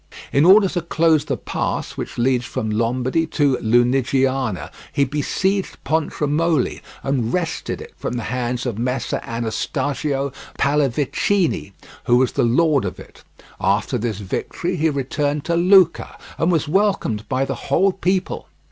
In order to close the pass which leads from Lombardy to Lunigiana, he besieged Pontremoli and wrested it from the hands of Messer Anastagio Palavicini, who was the lord of it. After this victory he returned to Lucca, and was welcomed by the whole people.